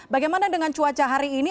bagaimana dengan cuaca hari ini